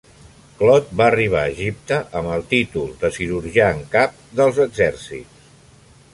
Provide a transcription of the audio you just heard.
Clot va arribar a Egipte amb el títol de cirurgià en cap dels exèrcits.